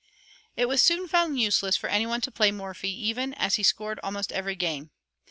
It was soon found useless for any one to play Morphy even, as he scored almost every game.